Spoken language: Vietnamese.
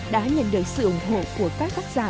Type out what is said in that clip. đã nhận được sự ủng hộ của các quốc gia